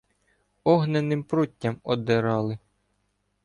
Огненним пруттям оддирали